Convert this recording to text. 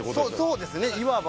そうですねいわば。